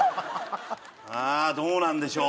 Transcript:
ああどうなんでしょう。